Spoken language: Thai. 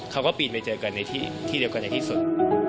เขาก็ปีนไปเจอกันในที่เดียวกันในที่สุด